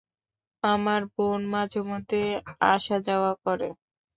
আমার বোন মাঝেমধ্যে আসা-যাওয়া করে।